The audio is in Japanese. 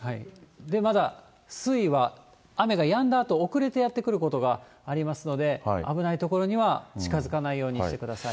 まだ水位は雨がやんだあと、遅れてやってくることもありますので、危ない所には近づかないようにしてください。